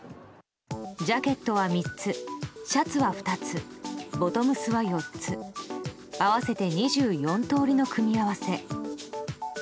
ジャケットは３つ、シャツは２つボトムスは４つ合わせて２４通りの組み合わせ。